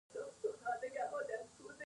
په سرخه د مالوچو نه سپڼسي پرغښتلي كېږي۔